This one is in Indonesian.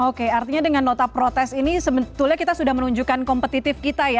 oke artinya dengan nota protes ini sebetulnya kita sudah menunjukkan kompetitornya